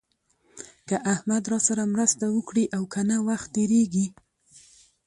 که احمد راسره مرسته وکړي او که نه وخت تېرېږي.